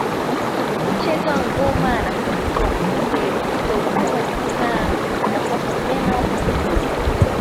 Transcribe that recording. Huchezewa ngoma na kukabidhiwa upinde hivyo hupewa jina na kuwa kijana wa Kizigua